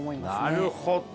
なるほど。